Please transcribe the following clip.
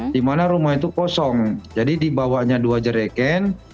di mana rumah itu kosong jadi dibawanya dua jereken